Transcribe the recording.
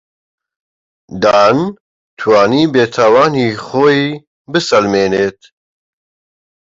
دان توانی بێتاوانی خۆی بسەلمێنێت.